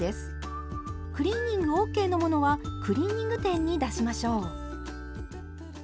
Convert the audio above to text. クリーニングＯＫの物はクリーニング店に出しましょう！